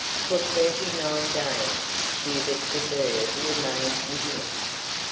For thirty nine days, Hubert de Burgh remained within.